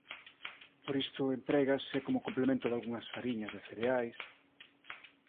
Por isto emprégase como complemento dalgunhas fariñas de cereais.